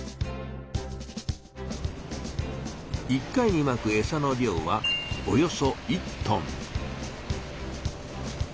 １回にまくエサの量はおよそ１トン。